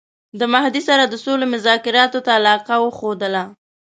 د مهدي سره د سولي مذاکراتو ته علاقه وښودله.